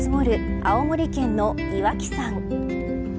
青森県の岩木山。